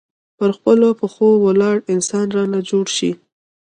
پر خپلو پښو ولاړ انسان رانه جوړ شي.